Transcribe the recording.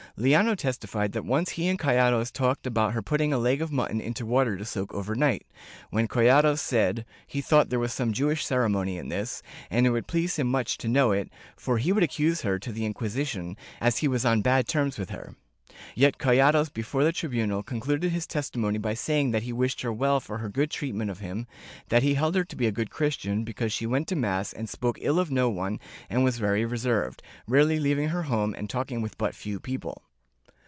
Liano testified that once he and Collados talked about her putting a leg of mutton into water to soak over night, when Collados said he thought there was some Jewish ceremony in this, and it would please him much to know it, for he would accuse her to the Inqui sition, as he was on bad terms with her. Yet Collados, before the tribunal, concluded his testimony by saying that he wished her well for her good treatment of him, that he held her to be a good Christian, because she went to mass and spoke ill of no one and was very reserved, rarely leaving her home and talking with but few people.